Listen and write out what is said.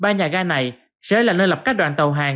ba nhà gà này sẽ là nơi lập các đoạn tàu hàng